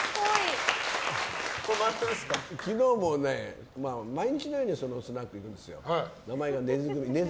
昨日もね、毎日のようにスナック行くんですよ。